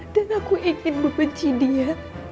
aku ingin membenci dia